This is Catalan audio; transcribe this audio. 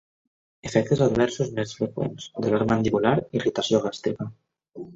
Efectes adversos més freqüents: dolor mandibular, irritació gàstrica.